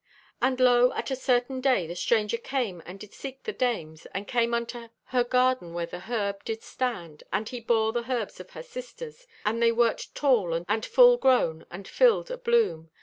"And lo, at a certain day the stranger came and did seek the dames, and came him unto her garden where the herb did stand, and he bore the herbs of her sisters, and they wert tall and full grown and filled o' bloom.